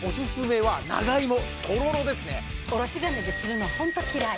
おろし金でするのホント嫌い。